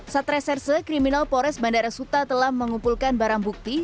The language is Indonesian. satresse kriminal pores bandara suta telah mengumpulkan barang bukti